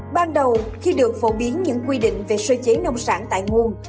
ban đầu khi được phổ biến những quy định về sơ chế nông sản tại nguồn